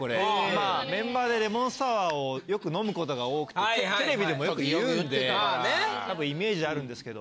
まあメンバーでレモンサワーをよく飲むことが多くてテレビでもよく言うんでたぶんイメージあるんですけど。